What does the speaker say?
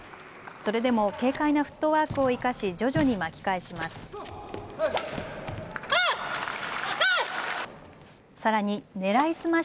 それでも軽快なフットワークを生かし徐々に巻き返します。